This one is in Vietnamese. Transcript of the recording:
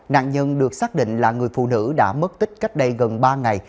nạn nhân được xác định là người phụ nữ đã mất tích cách đây gần ba ngày